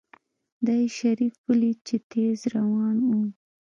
دا يې شريف وليد چې تېز روان و.